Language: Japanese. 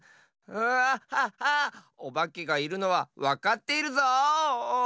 おばけがいるのはわかっているぞ。